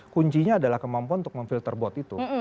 kuncinya adalah kemampuan untuk memfilter bot itu